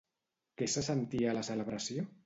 Què se sentia a la celebració?